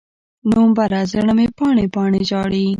نومبره، زړه مې پاڼې، پاڼې ژاړي